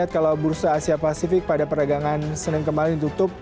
kalau bursa asia pasifik pada perdagangan senin kemarin ditutup